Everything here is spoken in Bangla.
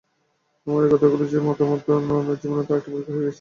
আমার এই কথাগুলো যে মতমাত্র নয়, জীবনে তার একটা পরীক্ষা হয়ে গেছে।